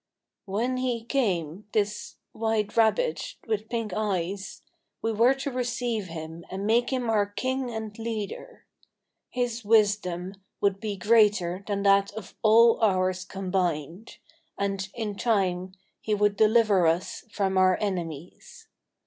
"When he came this white rabbit, with pink eyes we were to receive him and make him our king and leader. His wisdom would be greater than that of all ours combined, and in time he would deliver us from our enemies.